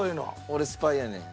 「俺スパイやねん」